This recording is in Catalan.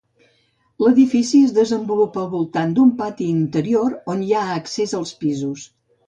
L'edifici es desenvolupa al voltant d'un pati interior on hi ha accés als pisos.